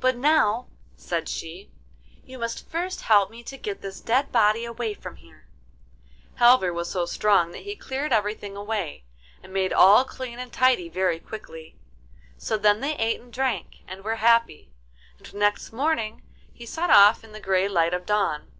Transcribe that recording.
'But now,' said she, 'you must first help me to get this dead body away from here.' Halvor was so strong that he cleared everything away, and made all clean and tidy very quickly. So then they ate and drank, and were happy, and next morning he set off in the grey light of dawn.